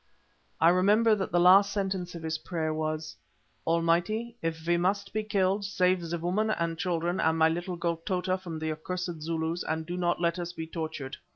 I remember that the last sentence of his prayer was, "Almighty, if we must be killed, save the women and children and my little girl Tota from the accursed Zulus, and do not let us be tortured."